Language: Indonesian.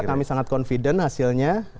kami sangat confident hasilnya